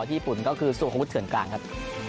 ที่ญี่ปุ่นก็คือส่วนของวุฒิเถิ่นกลางครับ